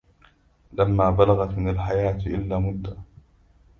لما بلغت من الحياة إلى مدى